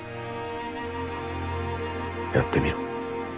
やってみろ。